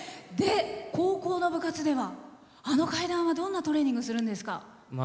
高校の部活では、あの階段はどんなトレーニングするんですか。